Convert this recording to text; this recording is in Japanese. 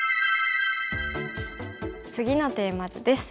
次のテーマ図です。